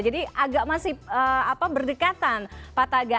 jadi agak masih berdekatan pak taga